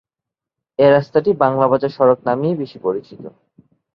এ রাস্তাটি বাংলাবাজার সড়ক নামেই বেশি পরিচিত।